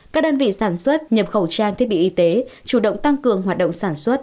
các đơn vị sản xuất nhập khẩu trang thiết bị y tế chủ động tăng cường hoạt động sản xuất